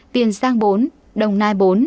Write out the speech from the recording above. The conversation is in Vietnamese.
tiền giang bốn đồng nai bốn